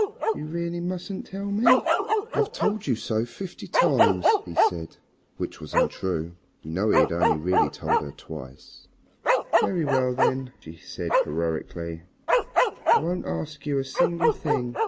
"You really mustn't tell me?" "I've told you so fifty times," he said. Which was untrue. You know he had really only told her twice. "Very well, then," she said heroically, "I won't ask you a single thing.